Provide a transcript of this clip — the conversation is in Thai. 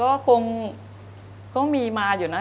โอ้ก็คงมีมาอยู่นะ